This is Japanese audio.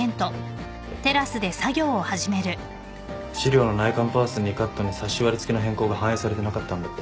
資料の内観パース２カットにサッシ割り付けの変更が反映されてなかったんだって。